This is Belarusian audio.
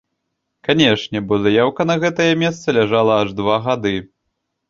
Канешне, бо заяўка на гэтае месца ляжала аж два гады!